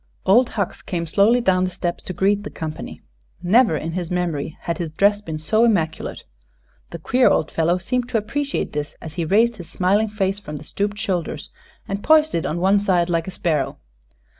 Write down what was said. Old Hucks came slowly down the steps to greet the company. Never in his memory had his dress been so immaculate. The queer old fellow seemed to appreciate this as he raised his smiling face from the stooped shoulders and poised it on one side like a sparrow.